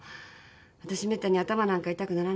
わたしめったに頭なんか痛くならないから。